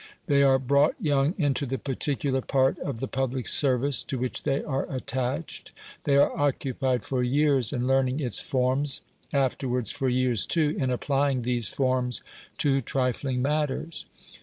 They are brought young into the particular part of the public service to which they are attached; they are occupied for years in learning its forms afterwards, for years too, in applying these forms to trifling matters.